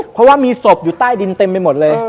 เพราะว่ามีศพอยู่ใต้ดินเต็มไปหมดเลย